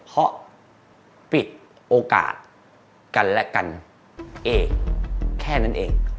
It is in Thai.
เพราะปิดโอกาสกันและกันเองแค่นั้นเอง